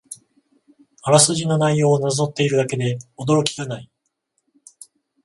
あらすじの内容をなぞっているだけで驚きがない